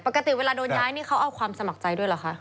ปกติเวลาโดนย้ายนี่เขาเอาความสมัครใจด้วยเหรอคะ